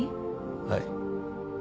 はい。